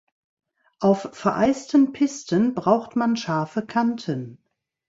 Auf vereisten Pisten braucht man scharfe Kanten.